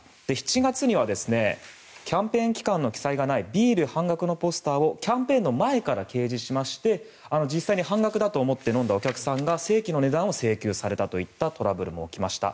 ７月にはキャンペーン期間の記載がないビール半額のポスターをキャンペーンの前から掲示しまして実際に半額だと思って飲んだお客さんが正規の値段を請求されたというトラブルも起きました。